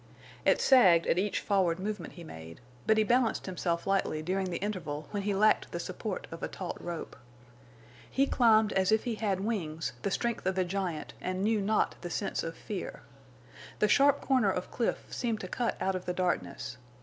It sagged at each forward movement he made, but he balanced himself lightly during the interval when he lacked the support of a taut rope. He climbed as if he had wings, the strength of a giant, and knew not the sense of fear. The sharp corner of cliff seemed to cut out of the darkness.